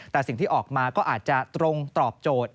แต่สิ่งที่ออกมาก็อาจจะตรงตอบโจทย์